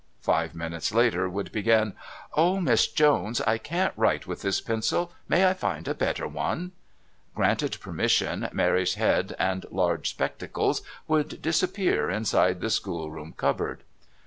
Five minutes later would begin: "Oh, Miss Jones, I can't write with this pencil. May I find a better one?" Granted permission, Mary's head and large spectacles would disappear inside the schoolroom cupboard.